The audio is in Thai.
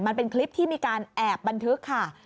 มันเป็นคลิปที่มีการแอบบันทึกค่ะ